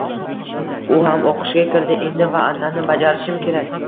U ham oʻqishga kirdi, endi vaʼdani bajarishim kerak.